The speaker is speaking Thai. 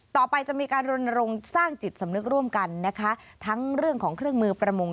ต่อไปจะมีการรณรงค์สร้างจิตสำนึกร่วมกันนะคะทั้งเรื่องของเครื่องมือประมง